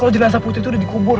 kalo jelasan putri tuh udah dikubur